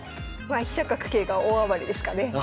「飛車角桂が大あばれ！」ですかね。